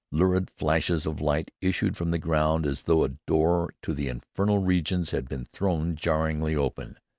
Lurid flashes of light issued from the ground as though a door to the infernal regions had been thrown jarringly open.